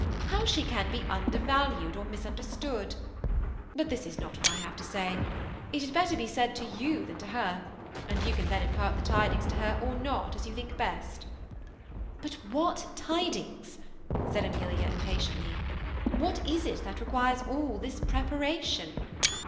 How she can be undervalued or misunderstood ! But this is not what I have to say. It had better be said to you than to her ; and you can then impart the tidings to her or not, as you think best." ^Bnt what tidings?" said Amelia, iffipatienlly. ^ What is it that requires all this preparation?